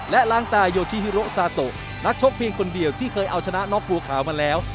และล้างตาโยชิฮิโรซาโตนักชกเพียงคนเดียวที่เคยเอาชนะน็อกบัวขาวมาแล้ว